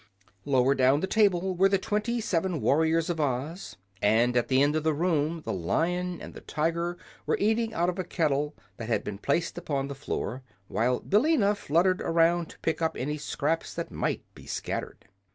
Lower down the table were the twenty seven warriors of Oz, and at the end of the room the Lion and the Tiger were eating out of a kettle that had been placed upon the floor, while Billina fluttered around to pick up any scraps that might be scattered.